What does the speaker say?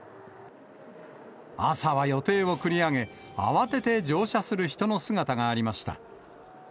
朝は予定を繰り上げ、慌てて乗車する人の姿がありました。